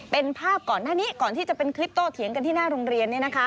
เป็นภาพก่อนที่จะเป็นคลิปโตเถียงกันที่หน้าโรงเรียน